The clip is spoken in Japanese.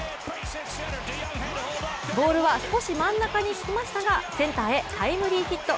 ボールは少し真ん中に来ましたがセンターへタイムリーヒット。